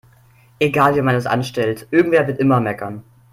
Egal wie man es anstellt, irgendwer wird immer meckern.